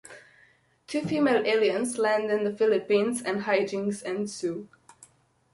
Two female aliens land in the Philippines and hijinks ensue.